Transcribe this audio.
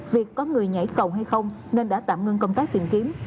việc có người nhảy cầu hay không nên đã tạm ngưng công tác tìm kiếm